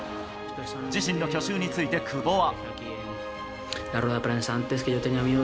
自身の去就について、久保は。